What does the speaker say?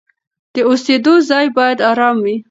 د اوسېدو ځای باید آرام وي.